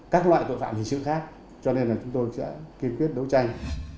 cho một người đàn ông chưa rõ lại lịch với một mươi triệu đồng tiền công